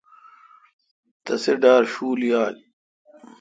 تسی ڈار شول یال۔